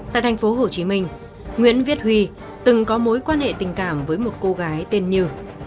tại thành phố hồ chí minh nguyễn viết huy từng có mối quan hệ tình cảm với một cô gái tên như